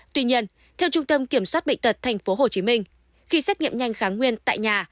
tuy nhiên theo trung tâm kiểm soát bệnh tật tp hcm khi xét nghiệm nhanh kháng nguyên tại nhà